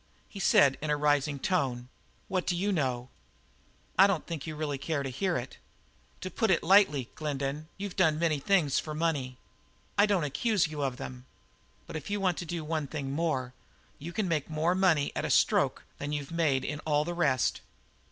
He said in a rising tone: "What d'you know?" "I don't think you really care to hear it. To put it lightly, Glendin, you've done many things for money. I don't accuse you of them. But if you want to do one thing more, you can make more money at a stroke than you've made in all the rest."